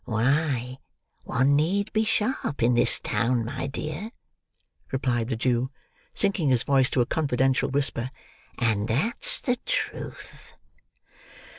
"Why, one need be sharp in this town, my dear," replied the Jew, sinking his voice to a confidential whisper; "and that's the truth."